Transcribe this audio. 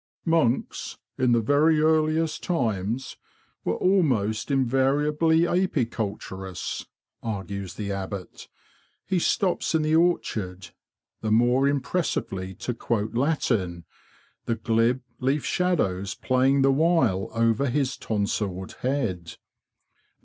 "" Monks, in the very earliest times, were almost invariably apiculturists,'' argues the Abbot. He stops in the orchard, the more impressively to quote Latin, the glib leaf shadows playing the while over his tonsured head.